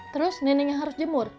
terus neneknya harus jemur